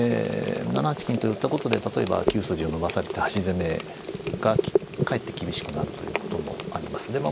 ７八金と寄ったことで例えば９筋を伸ばされて端攻めがかえって厳しくなるということもあります。